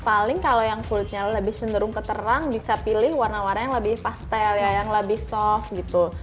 paling kalau yang kulitnya lebih cenderung keterang bisa pilih warna warna yang lebih pastel ya yang lebih soft gitu